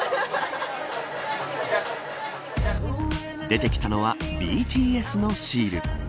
出てきたのはＢＴＳのシール。